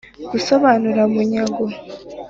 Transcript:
gusobanura munyango